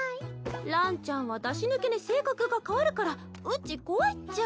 ランちゃんは出し抜けに性格が変わるからうち怖いっちゃ。